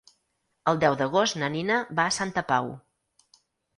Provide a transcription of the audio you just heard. El deu d'agost na Nina va a Santa Pau.